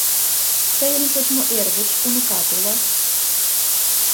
Тыйын шочмо эргыч, уныкат уло.